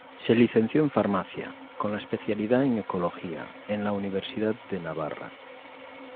Se licenció en Farmacia, con la especialidad en Ecología, en la Universidad de Navarra.